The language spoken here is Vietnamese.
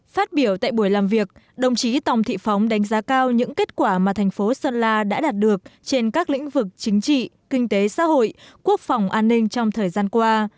phát biểu tại buổi làm việc đồng chí tòng thị phóng đánh giá cao những kết quả mà thành phố sơn la đã đạt được trên các lĩnh vực chính trị kinh tế xã hội quốc phòng an ninh trong thời gian qua